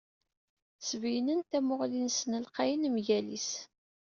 Sbeyynen-d tamuɣli-nsen lqayen mgal-is.